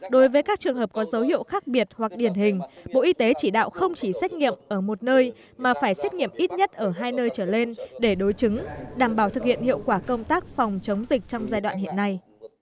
đối với các trường hợp có dấu hiệu khác biệt hoặc điển hình bộ y tế chỉ đạo không chỉ xét nghiệm ở một nơi mà phải xét nghiệm ít nhất ở hai nơi trở lên để đối chứng đảm bảo thực hiện hiệu quả công tác phòng chống dịch trong giai đoạn hiện nay